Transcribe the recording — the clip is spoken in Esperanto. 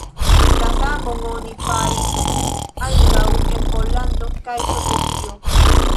La samon oni faris ankaŭ en Pollando kaj Sovetio.